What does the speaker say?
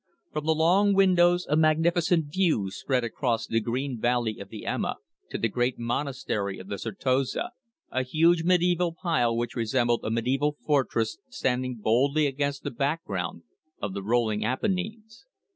From the long windows a magnificent view spread away across the green valley of the Ema to the great monastery of the Certosa, a huge mediæval pile which resembled a mediæval fortress standing boldly against the background of the rolling Apennines.